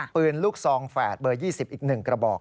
ปืนลูกซองแฝดเบอร์๒๐อีก๑กระบอก